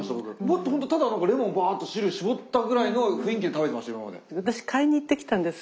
もっとほんとただレモンをバーッと汁搾ったぐらいの雰囲気で食べてました今まで。